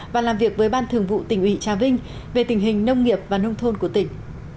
và làm việc với ban thường vụ tỉnh ủy trà vinh về tình hình nông nghiệp và nông thôn của tỉnh